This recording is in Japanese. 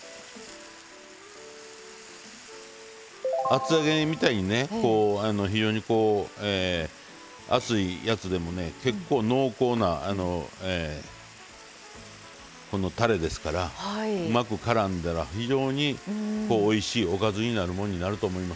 厚揚げみたいにね非常に厚いやつでもね結構濃厚なたれですからうまくからんだら非常においしいおかずになるもんになると思います。